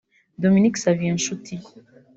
Dominique Savio Nshuti